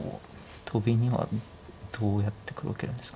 トビにはどうやって黒受けるんですか？